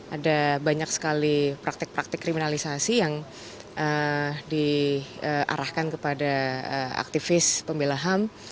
ada banyak sekali praktek praktik kriminalisasi yang diarahkan kepada aktivis pembelahan